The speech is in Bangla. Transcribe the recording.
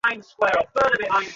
দেরি করা উচিত না।